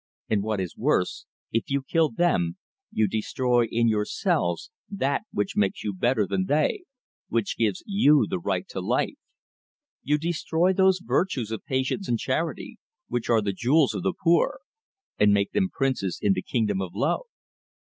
And what is worse, if you kill them, you destroy in yourselves that which makes you better than they, which gives you the right to life. You destroy those virtues of patience and charity, which are the jewels of the poor, and make them princes in the kingdom of love.